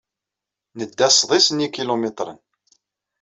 Nedda sḍis n yikilumitren.